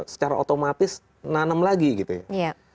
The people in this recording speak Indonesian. secara otomatis nanem lagi gitu ya